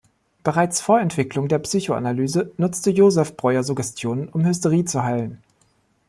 Bereits vor Entwicklung der Psychoanalyse nutzte Josef Breuer Suggestionen, um Hysterie zu heilen.